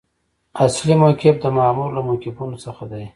اصلي موقف د مامور له موقفونو څخه دی.